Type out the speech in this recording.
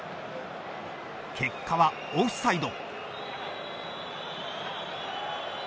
結果はオフサイド。